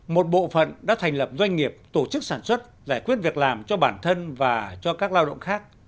một bộ phận đã thành lập doanh nghiệp tổ chức sản xuất giải quyết việc làm cho bản thân và cho các lao động khác